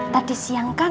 tadi siang kan